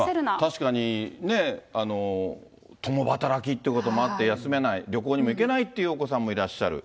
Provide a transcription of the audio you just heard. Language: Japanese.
確かにね、共働きということもあって休めない、旅行にも行けないというお子さんもいらっしゃる。